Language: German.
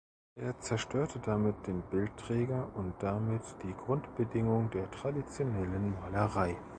Er zerstörte damit den Bildträger und damit die Grundbedingung der traditionellen Malerei.